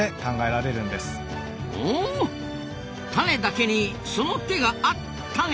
タネだけにその手があっタネ。